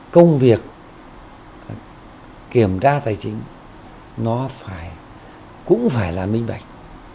công việc kiểm tra tài chính nó cũng phải là minh bạch